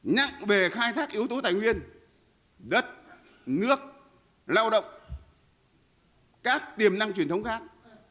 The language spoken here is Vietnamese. nặng về khai thác yếu tố tài nguyên đất nước lao động các tiềm năng truyền thống khác